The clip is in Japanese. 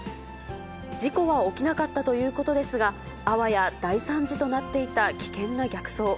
事故は起きなかったということですが、あわや大惨事となっていた危険な逆走。